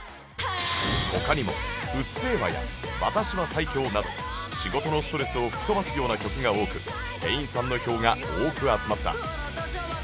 他にも『うっせぇわ』や『私は最強』など仕事のストレスを吹き飛ばすような曲が多く店員さんの票が多く集まった